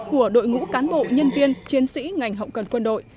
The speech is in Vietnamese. của đội ngũ cán bộ nhân viên chiến sĩ ngành hậu cần quân đội